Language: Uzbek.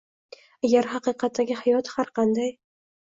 agar “haqiqatdagi hayot” har qanday